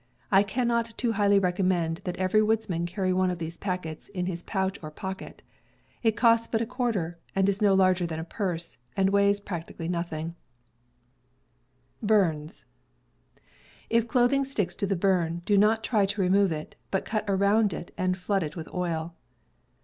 I cannot too highly recommend that every woodsman carry one of these packets in his pouch or pocket. It costs but a quarter, is no larger than a purse, and weighs practi cally nothing. If clothing sticks to the burn, do not try to remove it, but cut around it and flood it with oil.